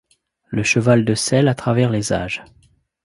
Le cheval de selle à travers les âges.